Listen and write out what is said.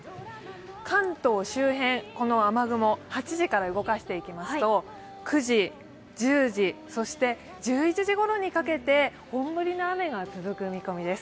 関東周辺、この雨雲、８時から動かしていきますと、９時、１０時そして１１時ごろにかけて本降りの雨が続く予想です。